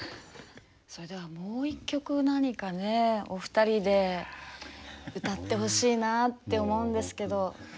それではもう１曲何かねお二人で歌ってほしいなぁって思うんですけど。